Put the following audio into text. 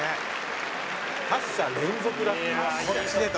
「８者連続だって」